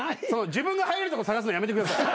自分が入れるとこ探すのやめてください。